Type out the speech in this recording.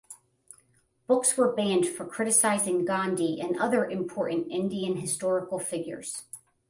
Books were banned for criticizing Gandhi and other important Indian historical figures.